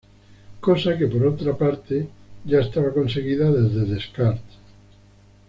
Cosa que por otra parte ya estaba conseguida desde Descartes.